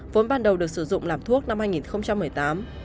vốn ban đầu được sử dụng làm thuốc năm hai nghìn một mươi tám